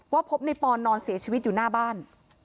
พบในปอนนอนเสียชีวิตอยู่หน้าบ้าน